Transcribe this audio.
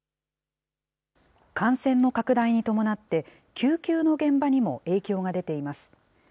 感染の拡大に伴って、救急の現場にも影響が出ています。